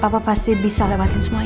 mama dan papa pasti bisa lewatin semua ini